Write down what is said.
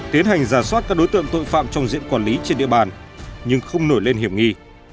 tiến hành giả soát các đối tượng tội phạm trong diện quản lý trên địa bàn nhưng không nổi lên hiểm nghi